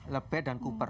lebay dan cooper